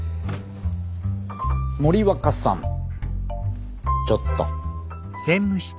森若さんちょっと。